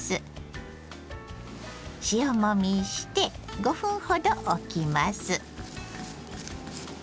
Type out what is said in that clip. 塩もみして５分ほどおきます。